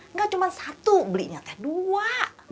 nggak cuma satu beli nyatanya dua